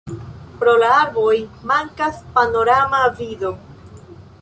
Pro la arboj mankas panorama vido.